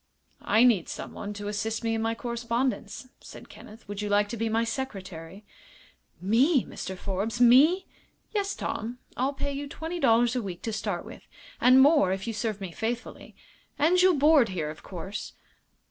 "I need someone to assist me in my correspondence," said Kenneth. "Would you like to be my secretary?" "Me, Mr. Forbes me!" "Yes, Tom. I'll pay you twenty dollars a week to start with, and more if you serve me faithfully. And you'll board here, of course."